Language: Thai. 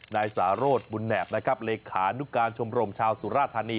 นายสาโรธบุญแหนบเลขานุการชมโรมชาวสุรธานี